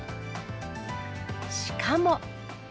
しかも。